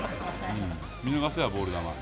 見逃せばボール球。